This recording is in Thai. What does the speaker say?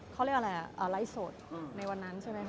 เขาเรียกอะไรอ่ะไลฟ์สดในวันนั้นใช่ไหมคะ